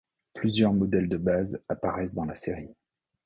Plusieurs modèles de base apparaissent dans la série.